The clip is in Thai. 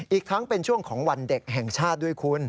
อีกทั้งเป็นช่วงของวันเด็กแห่งชาติด้วยคุณ